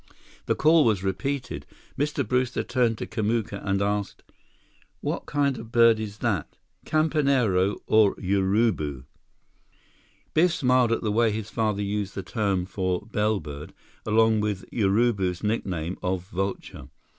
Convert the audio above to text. The call was repeated. Mr. Brewster turned to Kamuka and asked: "What kind of bird is that? Campanero or Urubu?" Biff smiled at the way his father used the term for "bellbird" along with Urubu's nickname of "vulture."